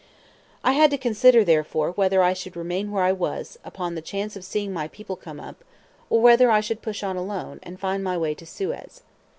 I had to consider, therefore, whether I should remain where I was, upon the chance of seeing my people come up, or whether I would push on alone, and find my way to Suez.